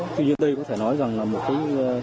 tuy nhiên đây có thể nói rằng là một cái